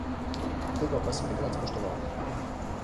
Koga pa si takrat spoštoval?